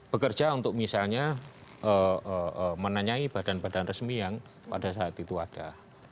bekerja untuk misalnya menanyai badan badan resmi yang pada saat itu ada